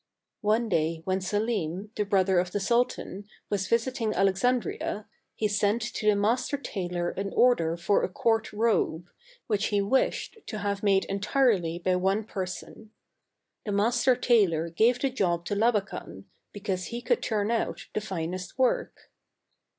One day when Selim, the brother of the sul tan, was visiting Alexandria, he sent to the mas ter tailor an order for a court robe, which he wished to have made entirely by one person. The master tailor gave the job to Labakan, because he could turn out the finest work.